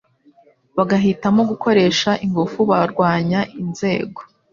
bagahitamo gukoresha ingufu barwanya inzego